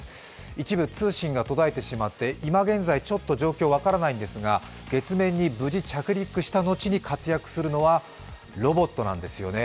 一部、通信が途絶えてしまって今現在、ちょっと状況が分からないんですが、月面に無事、着陸したのちに活躍するのはロボットなんですよね。